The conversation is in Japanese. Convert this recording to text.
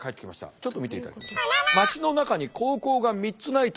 ちょっと見ていただきます。